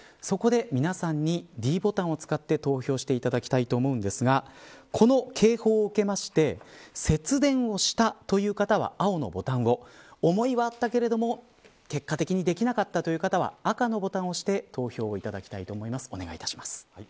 そこで皆さんにｄボタンを使って投票していただきたいと思うんですがこの警報を受けまして節電をしたという方は青のボタンを思いはあったけれども結果的にできなかったという方は赤のボタンを押して投票をいただきたいと思います。